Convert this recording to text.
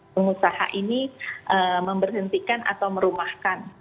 pengusaha ini memberhentikan atau merumahkan